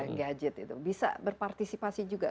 yang gadget itu bisa berpartisipasi juga